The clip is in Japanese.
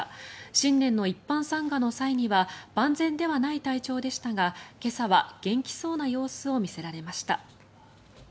新年の一般参賀の際には万全ではない体調でしたが今朝は元気そうな様子を見せられました。